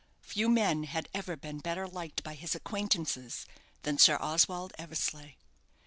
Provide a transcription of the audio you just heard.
Few men had ever been better liked by his acquaintances than Sir Oswald Eversleigh.